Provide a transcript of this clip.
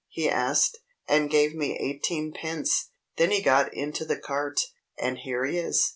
he asked, and gave me eighteen pence. Then he got into the cart. And here he is."